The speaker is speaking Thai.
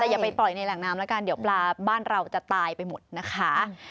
แต่อย่าไปปล่อยในแหล่งน้ำแล้วกันเดี๋ยวปลาบ้านเราจะตายไปหมดนะคะ